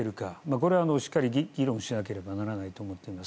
これはしっかり議論しなければならないと思っています。